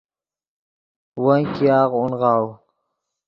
ون ګیاغ اونغاؤ